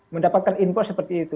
mendapatkan info seperti itu